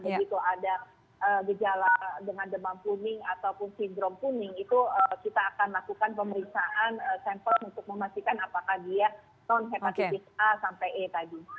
begitu ada gejala dengan demam kuning ataupun sindrom kuning itu kita akan lakukan pemeriksaan sampel untuk memastikan apakah dia non hepatitis a sampai e tadi